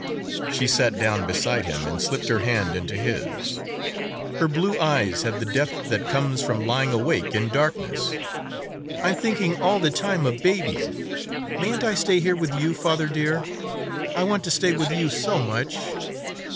She sat down beside him and slipped her hand into his; her blue eyes had the depth that comes from lying awake in darkness. "I'm thinking all the time of baby. Mayn't I stay here with you, father dear? I want to stay with you so much."